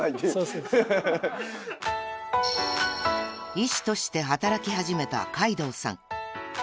［医師として働き始めた海堂さん］